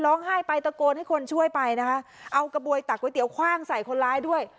ร้องไห้ไปตะโกนให้คนช่วยไปนะคะเอากระบวยตักก๋วเตี๋คว่างใส่คนร้ายด้วย